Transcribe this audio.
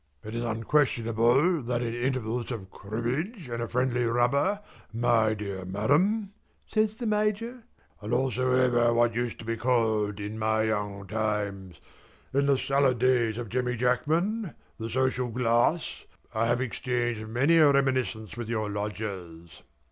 "It is unquestionable that in intervals of cribbage and a friendly rubber, my dear Madam," says the Major, "and also over what used to be called in my young times in the salad days of Jemmy Jackman the social glass, I have exchanged many a reminiscence with your Lodgers."